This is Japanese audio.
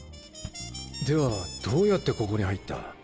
ではどうやってここに入った？